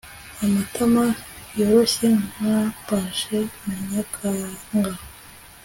Amatama yoroshye nka pashe ya Nyakanga